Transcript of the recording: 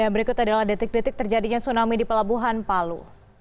berikut adalah detik detik terjadinya tsunami di pelabuhan palu